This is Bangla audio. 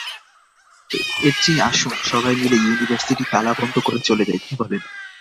এর চেয়ে আসুন, সবাই মিলে ইউনিভার্সিটি তালাবন্ধ করে চলে যাই, কী বলেন?